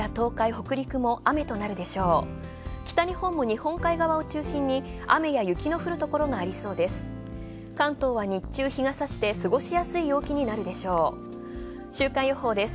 北日本も日本海側を中心に雨や雪の降るところがありそうです。